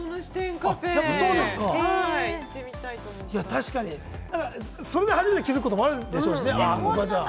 カフェ、行ってそれで初めて気付くこともあるでしょうしね。